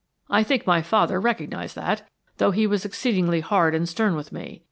I think my father recognised that, though he was exceedingly hard and stern with me.